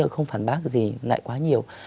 không phản bác gì lại quá nhiều